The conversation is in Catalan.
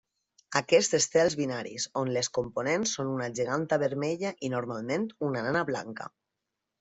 Aquests estels binaris on les components són una geganta vermella i normalment una nana blanca.